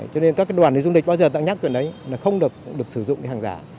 cho nên các đoàn nội dung địch bao giờ tặng nhắc chuyện đấy là không được sử dụng cái hàng giả